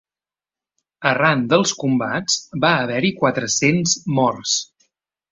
Arran dels combats, va haver-hi quatre-cents morts.